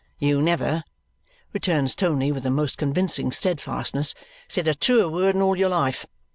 "You never," returns Tony with a most convincing steadfastness, "said a truer word in all your life.